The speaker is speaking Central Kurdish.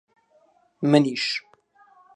منیش!